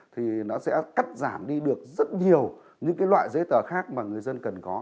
thì nó sẽ cắt giảm đi được rất nhiều những loại giấy tờ khác mà người dân cần có